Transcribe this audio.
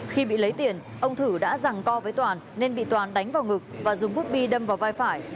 khi bị lấy tiền ông thử đã ràng co với toàn nên bị toàn đánh vào ngực và dùng bút bi đâm vào vai phải